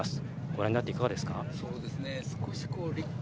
ご覧になっていかがですか？